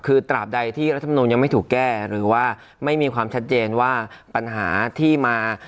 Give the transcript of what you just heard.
คือตราบใดที่รัฐมนุนยังไม่ถูกแก้หรือว่าไม่มีความชัดเจนว่าปัญหาที่มา